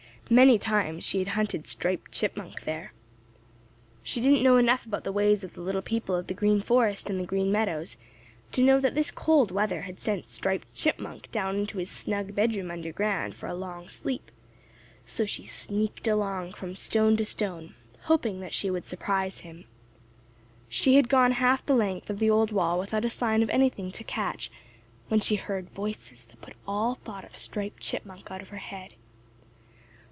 Many times she had hunted Striped Chipmunk there. She didn't know enough about the ways of the little people of the Green Forest and the Green Meadows to know that this cold weather had sent Striped Chipmunk down into his snug bedroom under ground for a long sleep, so she sneaked along from stone to stone, hoping that she would surprise him. She had gone half the length of the old wall without a sign of anything to catch when she heard voices that put all thought of Striped Chipmunk out of her head.